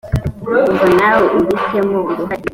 mva nawe ubi temo uruhare